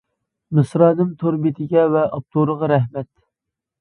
مىسرانىم تور بېتىگە ۋە ئاپتورغا رەھمەت.